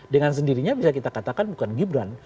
dengan sendirinya bisa kita katakan bukan gibran